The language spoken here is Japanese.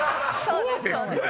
そうですよ